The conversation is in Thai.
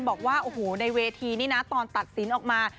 บอกว่าโอ้โหในเวทีนี่นะตอนตัดสินออกมา